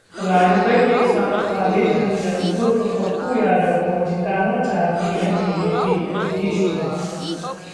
राजद के राजेश रंजन उर्फ पप्पू यादव को जिताना चाहती है बीजेपी: नीतीश कुमार